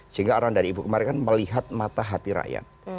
sehingga orang dari ibu kemarikan melihat mata hati rakyat